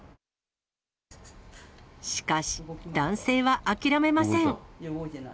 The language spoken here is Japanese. しかし、男性は諦めません。